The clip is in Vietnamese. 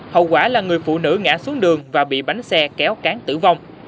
hậu quả là người phụ nữ ngã xuống đường và bị bánh xe kéo cán tử vong